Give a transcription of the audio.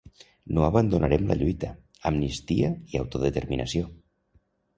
No abandonarem la lluita: amnistia i autodeterminació!